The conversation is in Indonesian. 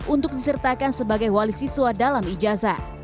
untuk disertakan sebagai wali siswa dalam ijazah